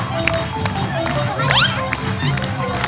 เหรอครับมาสายเดียวกัน